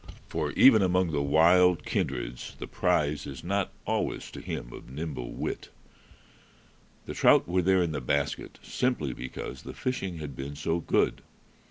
For even among the wild kindreds the prize is not always to him of nimble wit. The trout were there in the basket simply because the fishing had been so good.